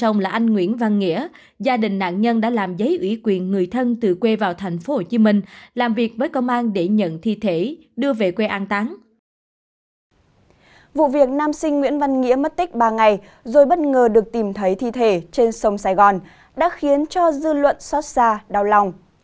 nguyễn văn nghĩa mất tích ba ngày rồi bất ngờ được tìm thấy thi thể trên sông sài gòn đã khiến cho dư luận xót xa đau lòng